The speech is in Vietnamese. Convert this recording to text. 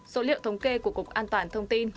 số liệu thống kê của cục an toàn thông tin